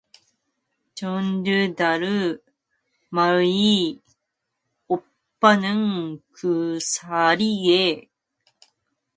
춘우도 다른 말이 없이 그 자리에서 일어나서 창하와 함께 문 밖으로 나왔다.